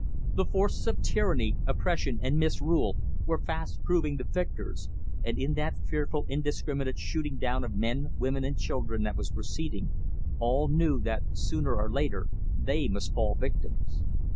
The forces of tyranny, oppression and misrule were fast proving the victors, and in that fearful indiscriminate shooting down of men, women and children that was proceeding, all knew that sooner or later they must fall victims.